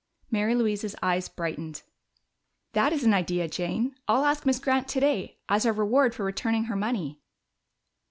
Mary Louise's eyes brightened. "That is an idea, Jane. I'll ask Miss Grant today as our reward for returning her money."